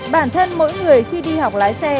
bản thân mỗi người khi đi học lái xe